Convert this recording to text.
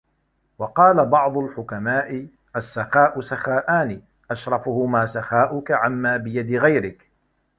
وَقَالَ بَعْضُ الْحُكَمَاءِ السَّخَاءُ سَخَاءَانِ أَشْرَفُهُمَا سَخَاؤُك عَمَّا بِيَدِ غَيْرِك